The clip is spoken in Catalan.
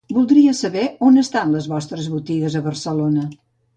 Voldria saber on estan les vostres botigues a Barcelona.